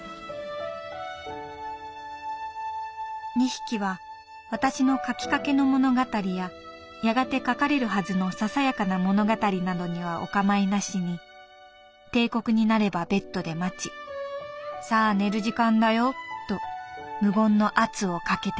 「２匹は私の書きかけの物語ややがて書かれるはずのささやかな物語などにはおかまいなしに定刻になればベッドで待ちさあ寝る時間だよと無言の圧をかけてくる」。